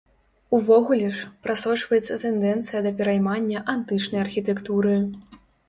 Увогуле ж, прасочваецца тэндэнцыя да пераймання антычнай архітэктуры.